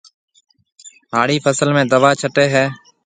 هاڙِي فصل ۾ دوا ڇٽيَ هيَ۔